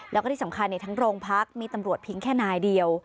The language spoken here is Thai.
แล้วก็ที่สำคัญทั้งโรงพักมีตำรวจเพียงแค่นายเดียว